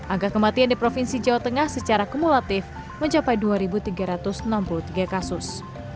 angka kematian di provinsi jawa tengah secara kumulatif mencapai dua tiga ratus enam puluh tiga kasus